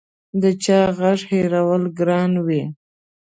د چا غږ هېرول ګران وي